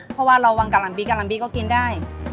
เพราะว่าเราวางกะหล่ำบีกะลำบีก็กินได้